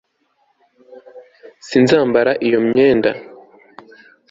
sinzambara iyo myenda